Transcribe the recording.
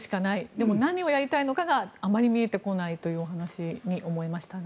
でも何をやりたいかがあまり見えてこないというお話に思いましたが。